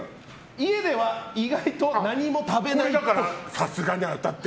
家では意外と何も食べないっぽい。